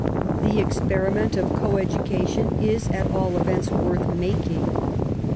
The experiment of co education is at all events worth making.